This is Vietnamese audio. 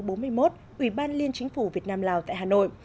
ủy ban liên chính phủ việt nam lào tại hà nội